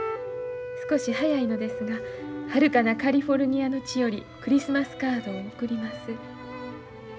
少し早いのですがはるかなカリフォルニアの地よりクリスマスカードをおくります」。